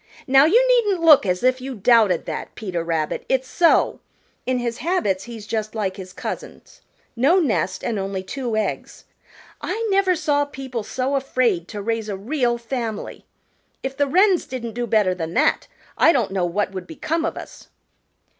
Now you needn't look as if you doubted that, Peter Rabbit; it's so. In his habits he's just like his cousins, no nest and only two eggs. I never saw people so afraid to raise a real family. If the Wrens didn't do better than that, I don't know what would become of us."